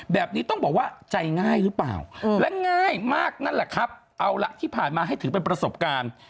แบบนี้ต้องบอกว่าใจง่ายหรือเปล่าและง่ายมากนั่นแหละครับเอาละที่ผ่านมาให้ถือเป็นประสบการณ์